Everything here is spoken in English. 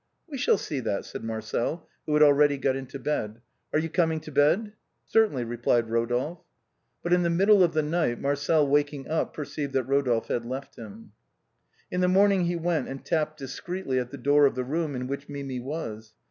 " We shall see that," said Marcel, who had already got into bed. "Are you coming to bed ?"" Certainly," replied Rodolphe. But in the middle of the night, IVIarcel waking up, per ceived that Rodolphe had left him. In the morning, he went and tapped discreetly at the door of the room in which Mimi was.